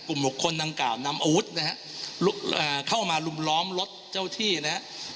กลุ่มหกคนต่างกล่าวนำอาวุธนะครับเข้ามาลุมล้อมรถเจ้าที่นะครับ